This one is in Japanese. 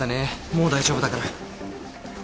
もう大丈夫だから。